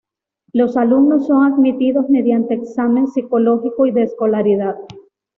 Los alumnos son admitidos mediante examen psicológico y de escolaridad.